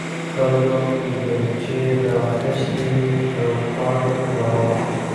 خلکو بیلچې راخیستې وې او کار یې کاوه.